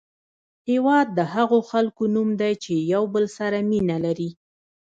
هېواد د هغو خلکو نوم دی چې یو بل سره مینه لري.